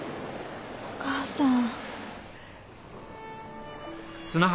お母さん。